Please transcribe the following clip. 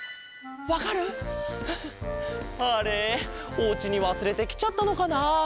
おうちにわすれてきちゃったのかなあ？